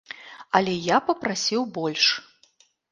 Але я папрасіў больш!